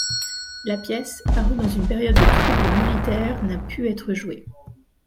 La pièce, parue dans une période de troubles militaires, n’a pu être jouée.